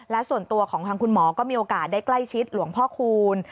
และส่วนตัวของทางคุณหมอก็มีโอกาสได้ใกล้ชิดหลวงพ่อคูณ